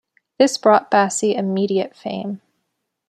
This brought Bassi immediate fame.